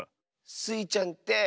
スイちゃんって